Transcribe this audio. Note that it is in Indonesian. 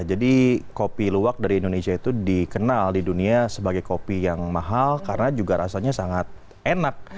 kopi luwak dari indonesia itu dikenal di dunia sebagai kopi yang mahal karena juga rasanya sangat enak